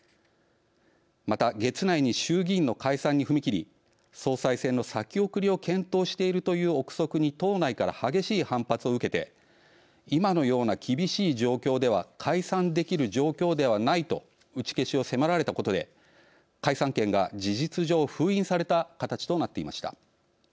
また月内に衆議院の解散に踏み切り総裁選の先送りを検討しているという臆測に党内から激しい反発を受けて今のような厳しい状況では解散できる状況ではないと打消しを迫られたことで解散権が事実上封印された形となっていました。